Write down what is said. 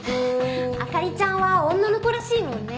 朱里ちゃんは女の子らしいもんね。